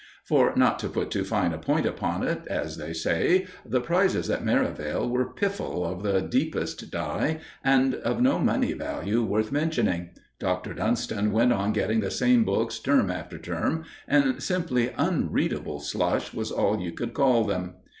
For, not to put too fine a point upon it, as they say, the prizes at Merivale were piffle of the deepest dye, and of no money value worth mentioning. Dr. Dunston went on getting the same books term after term, and simply unreadable slush was all you could call them.